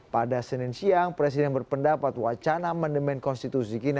pada senin siang presiden berpendapat wacana amandemen konstitusi